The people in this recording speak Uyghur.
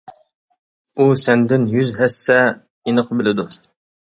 ئۇ سەندىن يۈز ھەسسە ئېنىق بىلىدۇ.